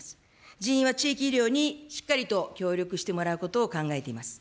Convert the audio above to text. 人員は地域医療にしっかりと協力してもらうことを考えています。